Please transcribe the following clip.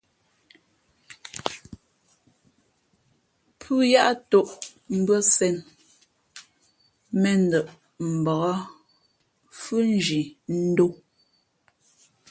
Pʉ̄h yáʼ tōʼ mbʉ́ά sēn , mēndαʼ mbak fhʉ̄nzhi ndǒ.